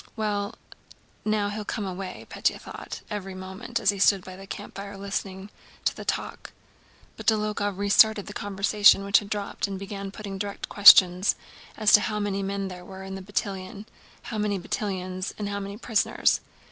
"Well, now he'll come away," Pétya thought every moment as he stood by the campfire listening to the talk. But Dólokhov restarted the conversation which had dropped and began putting direct questions as to how many men there were in the battalion, how many battalions, and how many prisoners.